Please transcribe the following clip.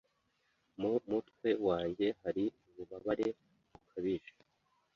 Mu mutwe wanjye hari ububabare bukabije.